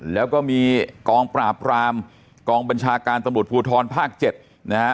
แล้วก็มีกองปราบรามกองบัญชาการตำรวจภูทรภาค๗นะฮะ